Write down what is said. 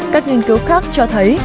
các nghiên cứu khác cho thấy